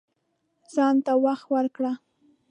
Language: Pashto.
ځان ته وخت ورکړه